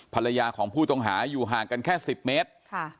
ภรรยาของผู้ต้องหาอยู่ห่างกันแค่๑๐เมตร